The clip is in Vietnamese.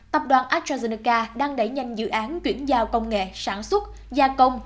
tập đoàn astrazeneca đang đẩy nhanh dự án chuyển giao công nghệ sản xuất gia công